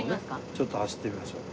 ちょっと走ってみましょう。